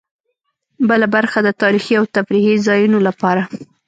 بله برخه د تاریخي او تفریحي ځایونو لپاره.